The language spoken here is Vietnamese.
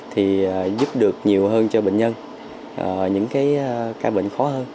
thì giúp được nhiều hơn cho bệnh nhân những cái ca bệnh khó hơn